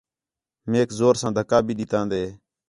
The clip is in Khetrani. میک زور ساں دِھکا بھی ݙِتان٘دے